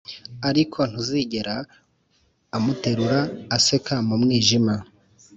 ariko ntuzigera amuterura aseka mu mwijima,